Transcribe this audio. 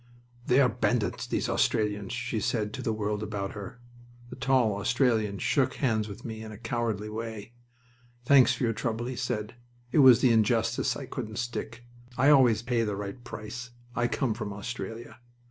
"They are bandits, these Australians!" she said to the world about her. The tall Australian shook hands with me in a comradely way. "Thanks for your trouble," he said. "It was the injustice I couldn't stick. I always pay the right price. I come from Australia."